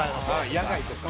野外とか。